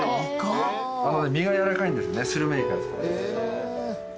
身がやわらかいんですねスルメイカ。